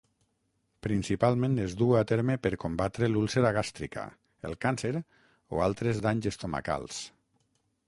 Principalment es duu a terme per combatre l'úlcera gàstrica, el càncer o altres danys estomacals.